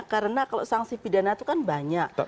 karena kalau sanksi pidana itu kan banyak